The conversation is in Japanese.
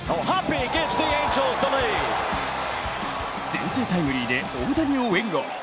先制タイムリーで大谷を援護。